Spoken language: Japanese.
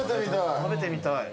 食べてみたい。